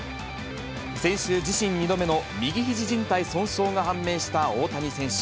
先週、自身２度目の右ひじじん帯損傷が判明した大谷選手。